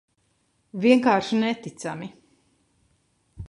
Vienkārši neticami.